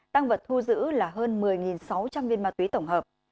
tăng vật thu giữ là hơn một mươi sáu trăm linh viên ma túy tổng hợp